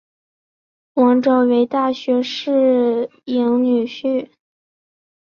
王诏为大学士曹鼐女婿。